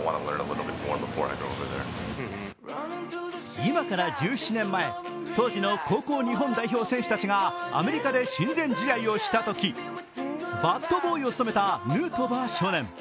今から１７年前、当時の高校日本代表選手たちがアメリカで親善試合をしたときバットボーイを務めたヌートバー少年。